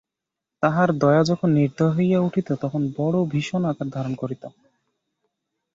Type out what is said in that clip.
তাহার দয়া যখন নির্দয় হইয়া উঠিত তখন বড়ো ভীষণ আকার ধারণ করিত।